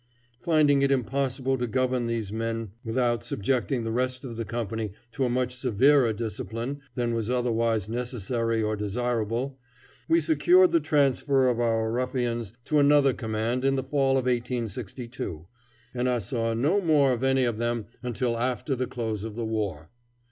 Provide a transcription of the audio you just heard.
Finding it impossible to govern these men without subjecting the rest of the company to a much severer discipline than was otherwise necessary or desirable, we secured the transfer of our ruffians to another command in the fall of 1862, and I saw no more of any of them until after the close of the war.